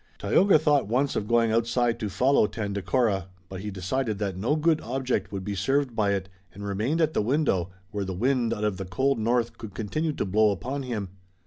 Tayoga thought once of going outside to follow Tandakora, but he decided that no good object would be served by it and remained at the window, where the wind out of the cold north could continue to blow upon him.